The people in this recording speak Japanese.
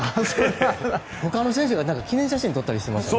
他の選手が記念写真撮ったりしてましたね